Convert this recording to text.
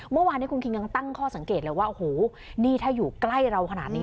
เมื่อวานนี้คุณคิงยังตั้งข้อสังเกตเลยว่าโอ้โหนี่ถ้าอยู่ใกล้เราขนาดนี้